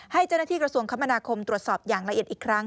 ให้เจ้าหน้าที่กระทรวงคมนาคมตรวจสอบอย่างละเอียดอีกครั้ง